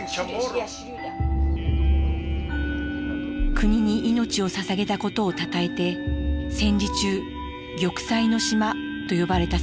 国に命をささげたことをたたえて戦時中「玉砕の島」と呼ばれたサイパン島。